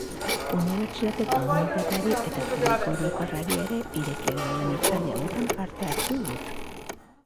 Unibertsitate komunitateari eta publiko orokorrari ere irekiak dauden hitzaldi hauetan parte hartu dut.